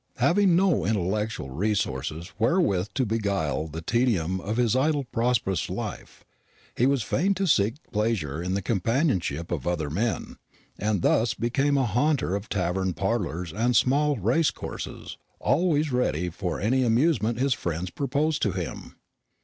Having no intellectual resources wherewith to beguile the tedium of his idle prosperous life, he was fain to seek pleasure in the companionship of other men; and had thus become a haunter of tavern parlours and small racecourses, being always ready for any amusement his friends proposed to him.